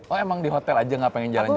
oh emang di hotel aja gak pengen jalan jalan